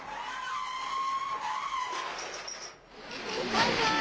バイバイ。